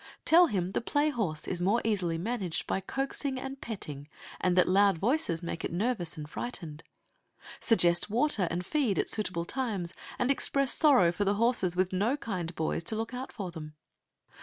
Tell him the play horse is more easily managed by coaxing and petting, and that loud voices make it nervous and frightened. Suggest water and feed at suitable times, and express sorrow for the horses with no kind boys to look out for them.